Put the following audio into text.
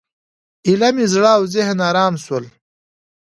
ایله مې زړه او ذهن ارامه شول.